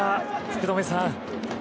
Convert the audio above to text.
福留さん。